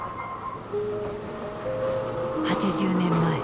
８０年前。